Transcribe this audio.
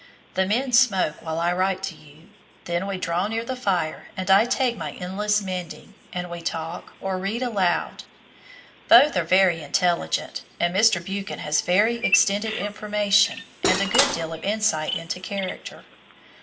The men smoke while I write to you. Then we draw near the fire and I take my endless mending, and we talk or read aloud. Both are very intelligent, and Mr. Buchan has very extended information and a good deal of insight into character.